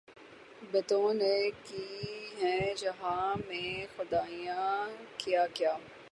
بتوں نے کی ہیں جہاں میں خدائیاں کیا کیا